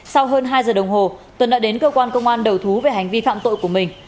sau hơn hai giờ đồng hồ tuấn đã đến cơ quan công an đầu thú về hành vi phạm tội của mình